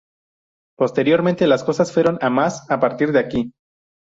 Posteriormente, las cosas fueron a más a partir de aquí.